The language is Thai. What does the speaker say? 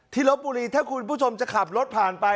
ลบบุรีถ้าคุณผู้ชมจะขับรถผ่านไป